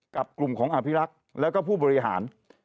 กับกลุ่มของอภิรักษ์แล้วก็ผู้บริหาร